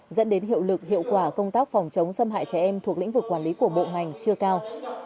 dẫn đến hiệu lực hiệu quả công tác phòng chống xâm hại trẻ em thuộc lĩnh vực quản lý của bộ ngành chưa cao